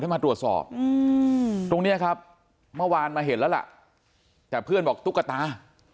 มาวานมาเห็นล่ะแหละแต่เพื่อนบอกตุ๊กกะตา